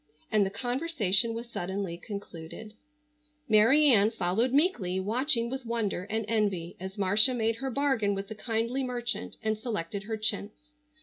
And the conversation was suddenly concluded. Mary Ann followed meekly watching with wonder and envy as Marcia made her bargain with the kindly merchant, and selected her chintz.